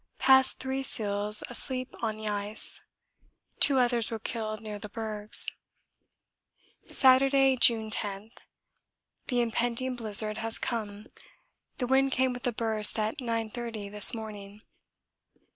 Passed three seals asleep on the ice. Two others were killed near the bergs. Saturday, June 10. The impending blizzard has come; the wind came with a burst at 9.30 this morning.